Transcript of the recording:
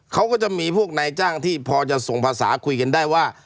เขาก็จะมีพวกนายจ้างที่พอจะส่งภาษาคุยกันได้ว่า